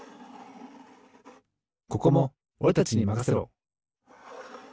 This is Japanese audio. ここもおれたちにまかせろ！